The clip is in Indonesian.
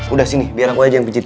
udah sini biar aku aja yang pencit